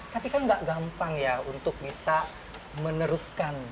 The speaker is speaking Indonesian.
tapi kan gak gampang ya untuk bisa meneruskan